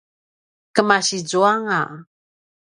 kemasi zuanga